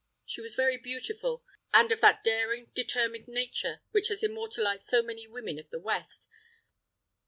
She was very beautiful, and of that daring, determined nature which has immortalized so many women of the West.